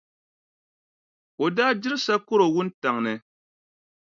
O daa diri sakɔro wuntaŋ ni.